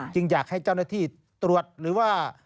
อยากให้เจ้าหน้าที่ตรวจหรือว่า